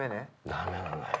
ダメなんだよ。